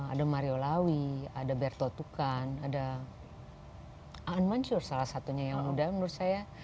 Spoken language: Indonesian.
ada mario lawi ada bertotukan ada aan mansur salah satunya yang muda menurut saya